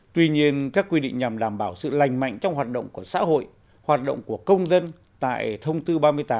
tuy nhiên các quy định nhằm đảm bảo sự lành mạnh trong hoạt động của xã hội hoạt động của công dân tại thông tư ba mươi tám